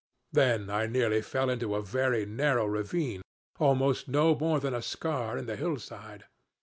Then I nearly fell into a very narrow ravine, almost no more than a scar in the hillside.